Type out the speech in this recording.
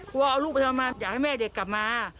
ว่าเอาลูกไปทำมาอยากให้แม่เด็กกลับมา